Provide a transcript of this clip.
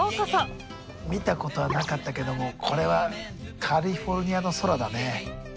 見たことはなかったけどもこれはカリフォルニアの空だね。